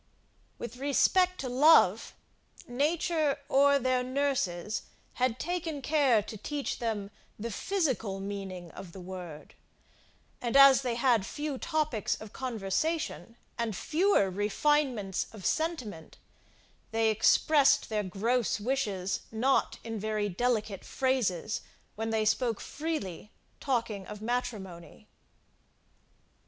With respect to love, nature, or their nurses, had taken care to teach them the physical meaning of the word; and, as they had few topics of conversation, and fewer refinements of sentiment, they expressed their gross wishes not in very delicate phrases, when they spoke freely, talking of matrimony.